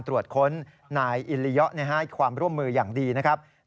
ตรวจค้นนายอิลียะให้ความร่วมมืออย่างดีนะครับ